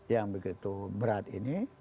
yang begitu berat ini